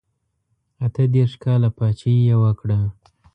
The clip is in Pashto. اته دېرش کاله پاچهي یې وکړه.